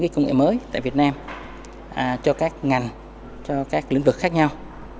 công nghệ mới tại việt nam cho các ngành cho các lĩnh vực khác nhau